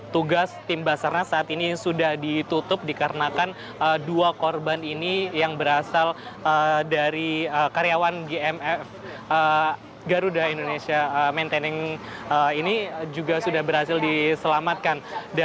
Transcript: tugas tim basarnas saat ini sudah ditutup dikarenakan dua korban ini yang berasal dari karyawan gmf garuda indonesia maintenance ini juga sudah berhasil diselamatkan